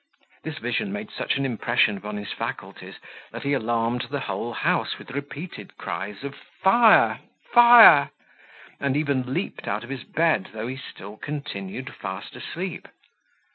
This vision made such an impression upon his faculties, that he alarmed the whole house with repeated cries of "Fire! fire!" and even leaped out of his bed, though he still continued fast asleep.